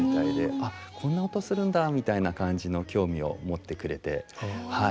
「あこんな音するんだ」みたいな感じの興味を持ってくれてはい。